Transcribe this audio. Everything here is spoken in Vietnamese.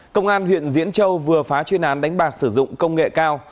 công an huyện diễn châu vừa phá chuyên án đánh bạc sử dụng công nghệ cao